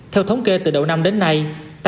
theo thống kê từ đầu năm đến nay